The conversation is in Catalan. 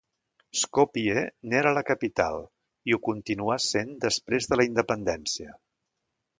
Skopje n'era la capital i ho continuà sent després de la independència.